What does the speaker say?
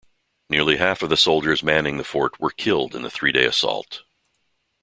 Nearly half of the soldiers manning the fort were killed in the three-day assault.